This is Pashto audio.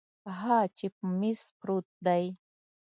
ها چې پر میز پروت دی